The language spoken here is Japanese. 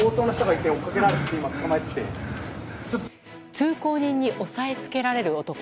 通行人に押さえつけられる男。